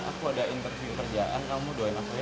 aku ada interview kerjaan kamu doain aku aja